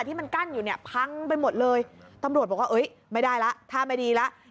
ที่มันกั้นอยู่เนี่ยพังไปหมดเลยตำรวจบอกว่าเอ้ยไม่ได้แล้วท่าไม่ดีแล้ว